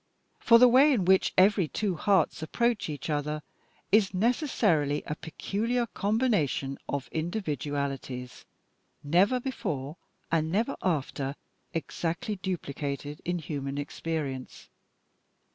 For the way in which every two hearts approach each other is necessarily a peculiar combination of individualities, never before and never after exactly duplicated in human experience.